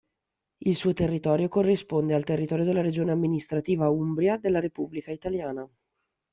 Il suo territorio corrisponde al territorio della regione amministrativa Umbria della Repubblica Italiana.